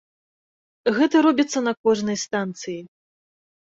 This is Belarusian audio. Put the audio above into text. Гэта робіцца на кожнай станцыі.